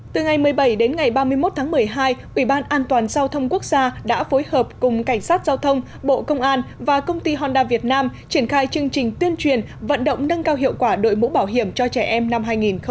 từ ngày một mươi bảy đến ngày ba mươi một tháng một mươi hai ủy ban an toàn giao thông quốc gia đã phối hợp cùng cảnh sát giao thông bộ công an và công ty honda việt nam triển khai chương trình tuyên truyền vận động nâng cao hiệu quả đội mũ bảo hiểm cho trẻ em năm hai nghìn một mươi chín